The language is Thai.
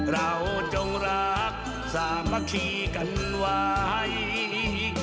จงรักสามัคคีกันไว้